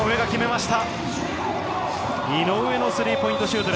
井上のスリーポイントシュート。